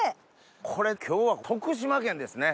これ今日は徳島県ですね。